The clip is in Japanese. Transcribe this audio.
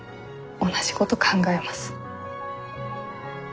同じこと考えます私も。